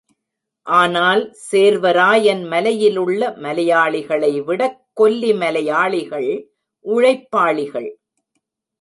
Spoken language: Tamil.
ஆனால் சேர்வராயன் மலையிலுள்ள மலையாளிகளை விடக் கொல்லி மலையாளிகள் உழைப்பாளிகள்.